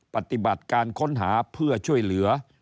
ปฏิบัติการค้นหาเพื่อช่วยเหลือ